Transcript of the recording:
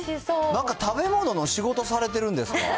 なんか食べ物の仕事されてるんですか？